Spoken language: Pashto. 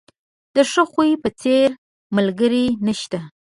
د ښه خوی په څېر، ملګری نشته.